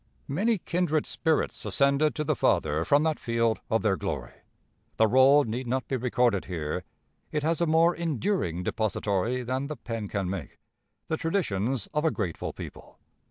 Many kindred spirits ascended to the Father from that field of their glory. The roll need not be recorded here; it has a more enduring depository than the pen can make the traditions of a grateful people.